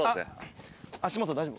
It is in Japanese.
足元大丈夫？